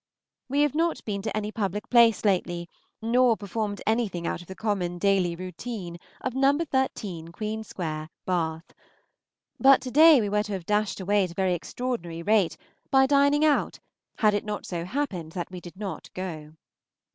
We have not been to any public place lately, nor performed anything out of the common daily routine of No. 13 Queen Square, Bath. But to day we were to have dashed away at a very extraordinary rate, by dining out, had it not so happened that we did not go.